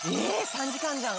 ３時間じゃん。